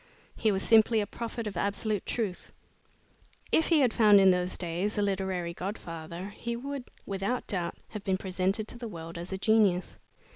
He was simply a prophet of absolute truth. If he had found in those days a literary godfather, he would, without doubt, have been presented to the world as a genius.